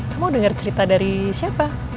kamu dengar cerita dari siapa